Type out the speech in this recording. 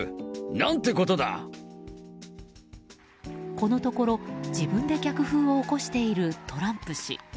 このところ、自分で逆風を起こしている、トランプ氏。